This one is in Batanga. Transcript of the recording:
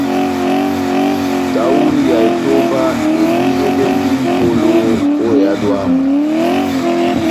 Tahuli ya etomba ediyedɛndi mʼpolo ó ehádo yamu.